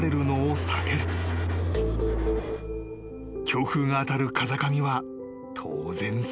［強風が当たる風上は当然寒い］